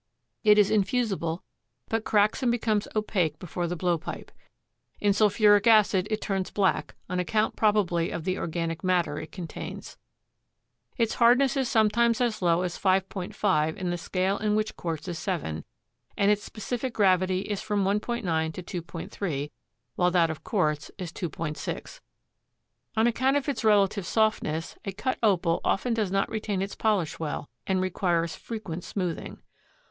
It is infusible, but cracks and becomes opaque before the blowpipe. In sulphuric acid it turns black, on account probably of the organic matter it contains. Its hardness is sometimes as low as 5.5 in the scale in which quartz is 7 and its specific gravity is from 1.9 to 2.3, while that of quartz is 2.6. On account of its relative softness a cut Opal often does not retain its polish well and requires frequent smoothing.